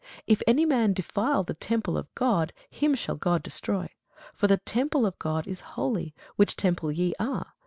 If any man defile the temple of God, him shall God destroy; for the temple of God is holy, which temple ye are.